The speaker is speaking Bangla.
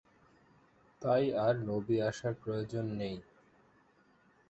তাই আর নবী আসার প্রয়োজন নেই।